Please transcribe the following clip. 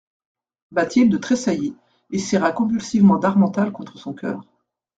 Bathilde tressaillit et serra convulsivement d'Harmental contre son coeur.